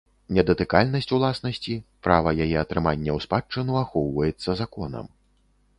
Недатыкальнасць уласнасці, права яе атрымання ў спадчыну ахоўваецца законам.